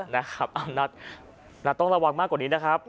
นะครับเอานัทต้องระวังมากกว่านี้นะครับ